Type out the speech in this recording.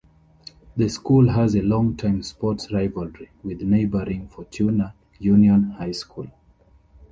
The school has a long-time sports rivalry with neighboring Fortuna Union High School.